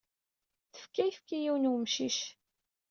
Tefka ayefki i yiwen n wemcic.